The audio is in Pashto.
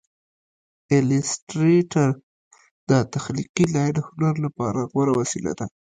ایلیسټریټر د تخلیقي لاین هنر لپاره غوره وسیله ده.